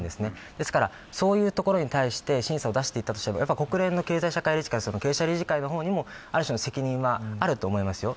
ですからそういうところに対して審査を出していたとしても国連の経済社会理事会の方にもある種の責任はあると思いますよ。